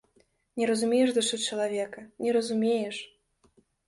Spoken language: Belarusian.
Не разумееш душы чалавека, не разумееш!